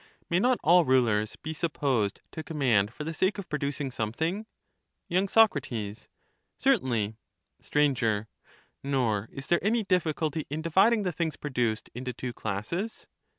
May not all rulers be supposed to command for the sake of producing something? y. Sac. Certainly. Str. Nor is there any difficulty in dividing the things pro duced into two classes.